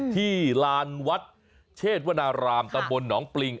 ที่หลานวัสดิ์เชศวณาราลตหนองปรีง